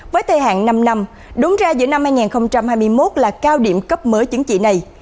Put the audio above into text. với thời hạn năm năm đúng ra giữa năm hai nghìn hai mươi một là cao điểm cấp mới chứng chỉ này